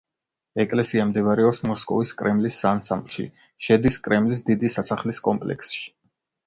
ეკლესია მდებარეობს მოსკოვის კრემლის ანსამბლში, შედის კრემლის დიდი სასახლის კომპლექსში.